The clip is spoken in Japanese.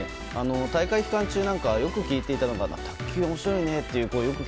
大会期間中なんかはよく聞いていたのが卓球面白いねという声。